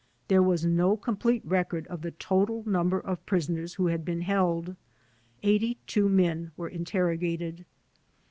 There was no complete record of the total number of prisoners who hatd been held. Eighty two men were interrogated.